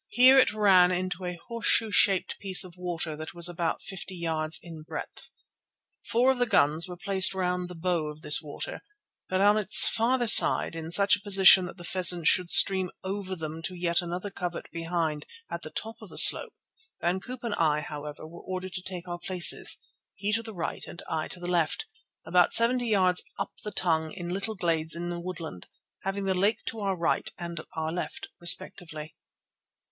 Here it ran into a horse shoe shaped piece of water that was about fifty yards in breadth. Four of the guns were placed round the bow of this water, but on its farther side, in such a position that the pheasants should stream over them to yet another covert behind at the top of a slope, Van Koop and I, however, were ordered to take our places, he to the right and I to the left, about seventy yards up the tongue in little glades in the woodland, having the lake to our right and our left respectively.